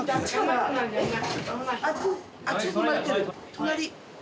隣。